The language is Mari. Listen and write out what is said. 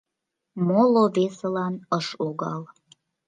Моло-весылан ыш логал.